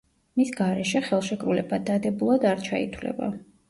მის გარეშე ხელშეკრულება დადებულად არ ჩაითვლება.